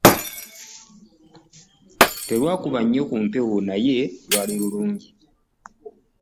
Terwakuba nnyo ku mpewo naye lwali lulungi.